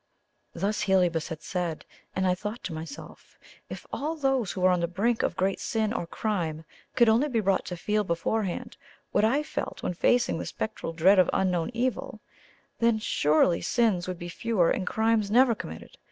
Thus Heliobas had said; and I thought to myself, if all those who were on the brink of great sin or crime could only be brought to feel beforehand what I felt when facing the spectral dread of unknown evil, then surely sins would be fewer and crimes never committed.